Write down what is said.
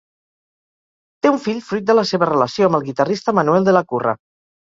Té un fill fruit de la seva relació amb el guitarrista Manuel de la Curra.